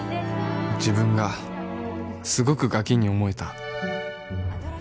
自分がすごくガキに思えた